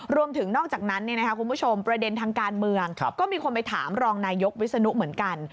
รวมถึงนอกจากนั้นคุณผู้ชมประเด็นทางการเมืองก็มีคนไปถามรองนายกวิศนุเหมือนกัน